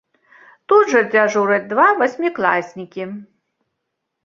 Тут жа дзяжураць два васьмікласнікі.